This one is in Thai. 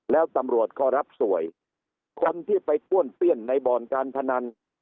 แล้วตำรวจก็รับสวยคนที่ไปป้วนเปี้ยนในบ่อนการพนัน